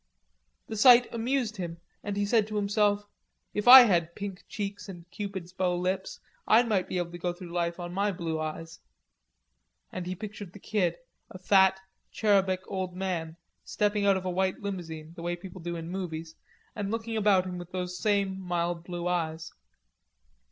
The sight amused him, and he said to himself: "If I had pink cheeks and cupid's bow lips, I might be able to go through life on my blue eyes"; and he pictured the Kid, a fat, cherubic old man, stepping out of a white limousine, the way people do in the movies, and looking about him with those same mild blue eyes.